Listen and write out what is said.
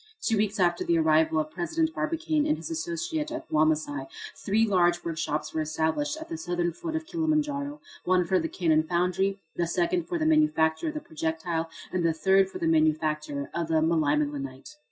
Two weeks after the arrival of President Barbicane and his associate at Wamasai three large workshops were established at the southern foot of Kilimanjaro, one for the cannon foundry, the second for the manufacture of the projectile, and the third for the manufacture of the melimelonite.